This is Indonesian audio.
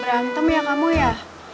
berantem ya kamu ya